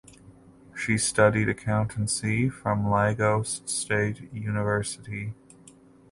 She studied accountancy from Lagos State University.